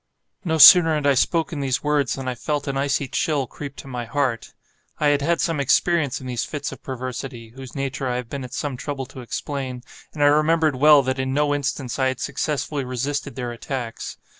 No sooner had I spoken these words, than I felt an icy chill creep to my heart. I had had some experience in these fits of perversity (whose nature I have been at some trouble to explain), and I remembered well that in no instance I had successfully resisted their attacks.